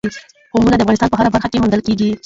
قومونه د افغانستان په هره برخه کې موندل کېږي.